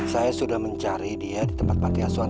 saya sudah mencari dia di tempat pantiasuan